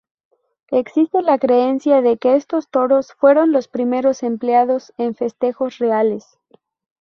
Existe la creencia de que estos toros fueron los primeros empleados en festejos reales.